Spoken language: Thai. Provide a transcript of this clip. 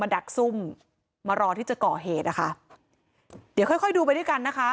ดักซุ่มมารอที่จะก่อเหตุนะคะเดี๋ยวค่อยค่อยดูไปด้วยกันนะคะ